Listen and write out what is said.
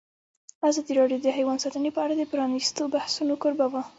ازادي راډیو د حیوان ساتنه په اړه د پرانیستو بحثونو کوربه وه.